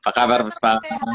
apa kabar buse pak